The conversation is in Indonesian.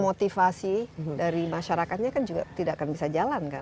motivasi dari masyarakatnya kan juga tidak akan bisa jalan kan